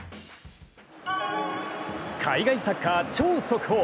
海外サッカー超速報。